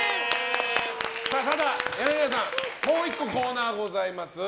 ただ、柳原さんもう１個コーナーございます。